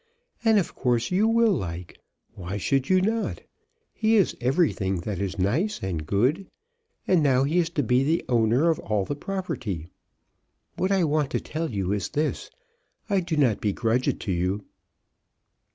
And of course you will like. Why should you not? He is everything that is nice and good; and now he is to be the owner of all the property. What I want to tell you is this; I do not begrudge it to you."